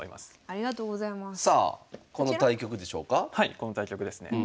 この対局ですね。